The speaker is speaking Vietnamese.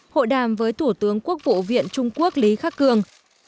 hội đàm với thủ tướng quốc vụ viện trung quốc lý khắc cường